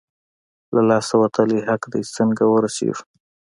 له لاسه وتلی حق دی، څنګه ورسېږو؟